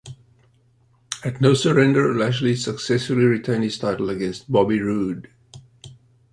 At No Surrender, Lashley successfully retained his title against Bobby Roode.